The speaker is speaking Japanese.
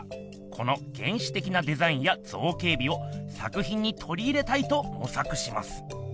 この原始的なデザインや造形美を作品にとり入れたいともさくします。